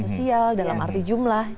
sosial dalam arti jumlah